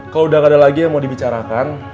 kalau udah gak ada lagi yang mau dibicarakan